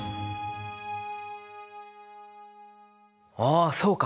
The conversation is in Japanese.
あそうか！